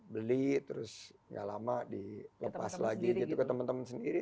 beli terus gak lama dilepas lagi gitu ke teman teman sendiri